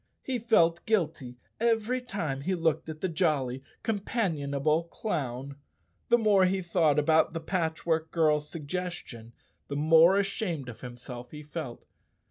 He felt guilty every time he looked at the jolly, companionable clown. The more he thought about the Patchwork Girl's sugges¬ tion, the more ashamed of himself he felt.